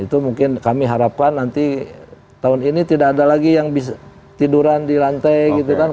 itu mungkin kami harapkan nanti tahun ini tidak ada lagi yang bisa tiduran di lantai gitu kan